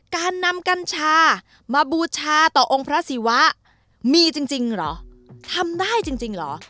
การนำกัญชามาบูชาต่อองค์พระศิวะมีจริงเหรอทำได้จริงเหรอ